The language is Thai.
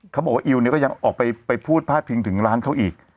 เขาบอกว่าอิวเนี่ยก็ยังออกไปพูดพาดพิงถึงร้านเขาอีก